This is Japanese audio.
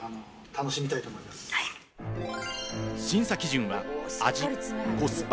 審査基準は味、コスパ。